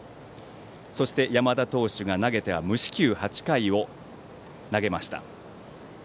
そして山田投手が、投げては無四球、８回を投げました。